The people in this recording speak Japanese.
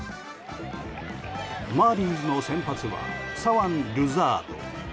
マーリンズの先発は左腕、ルザード。